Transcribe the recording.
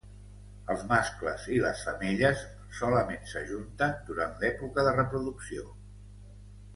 Els mascles i les femelles solament s'ajunten durant l'època de reproducció.